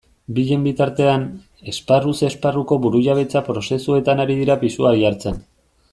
Bien bitartean, esparruz esparruko burujabetza prozesuetan ari dira pisua jartzen.